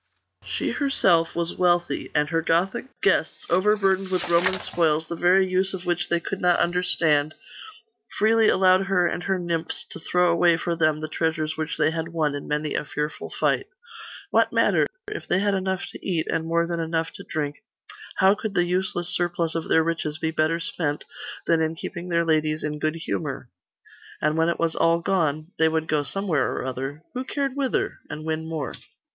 She herself was wealthy; and her Gothic guests, overburdened with Roman spoils, the very use of which they could not understand, freely allowed her and her nymphs to throw away for them the treasures which they had won in many a fearful fight. What matter? If they had enough to eat, and more than enough to drink, how could the useless surplus of their riches be better spent than in keeping their ladies in good humour?.... And when it was all gone....they would go somewhere or other who cared whither? and win more.